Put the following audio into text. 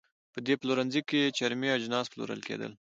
په دې پلورنځۍ کې چرمي اجناس پلورل کېدل.